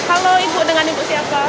halo ibu dengan ibu siapa